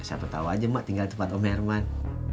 siapa tau aja emak tinggal di tempat om herman